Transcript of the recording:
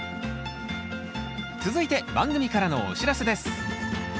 続いて番組からのお知らせです